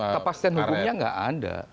kepas ten hukumnya nggak ada